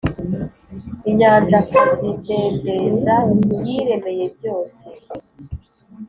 Inyanja akazidendeza yiremeye byose